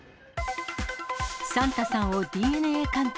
サンタさんをＤＮＡ鑑定。